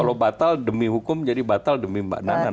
kalau batal demi hukum jadi batal demi mbak nana